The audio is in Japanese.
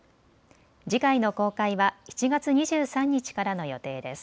次回の公開は７月２３日からの予定です。